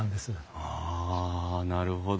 あなるほど。